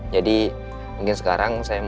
jadi mungkin sekarang saya mau